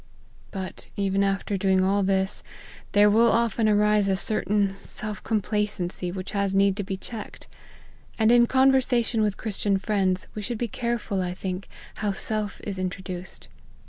But even after doing all this, there will often arise a certain self complacen cy which has need to be checked; and in conver sation with Christian friends, we should be careful, I think, how self is introduced.